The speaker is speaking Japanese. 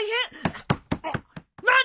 あっ何と！？